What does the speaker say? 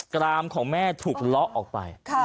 รามของแม่ถูกเลาะออกไป